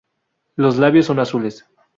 Los labios son azules.